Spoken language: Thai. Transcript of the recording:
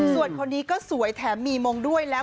ส่วนคนนี้ก็สวยแถมมีมงด้วยแล้ว